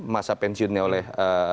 masa pensiunnya oleh